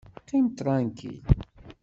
Qqim ṭṛankil!